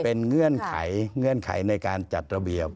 อันนี้เป็นเงื่อนไขในการจัดระเบียบ